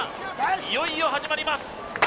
いよいよ始まります